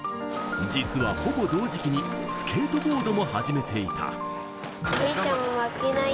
実はほぼ同時にスケートボードも始めていた。